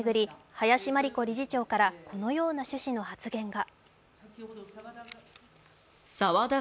林真理子理事長からこのような趣旨の発言が。